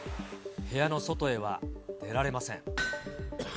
部屋の外へは出られません。